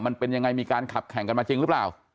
มันเป็นยังไงมีการขับแข่งกันมาจริงหรือเปล่า